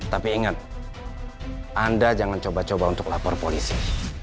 tapi ingat anda jangan coba coba untuk lapor polisi